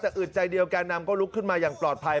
แต่อึดใจเดียวแก่นำก็ลุกขึ้นมาอย่างปลอดภัย